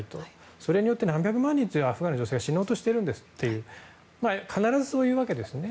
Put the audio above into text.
それによって何百万人というアフガンの女性は仕事してると必ずそう言うわけです。